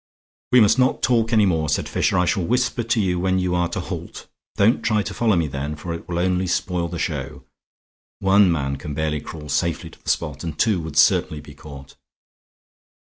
"We must not talk any more," said Fisher. "I shall whisper to you when you are to halt. Don't try to follow me then, for it will only spoil the show; one man can barely crawl safely to the spot, and two would certainly be caught."